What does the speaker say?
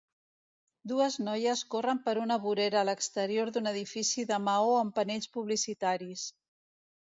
Dues noies corren per una vorera a l'exterior d'un edifici de maó amb panells publicitaris.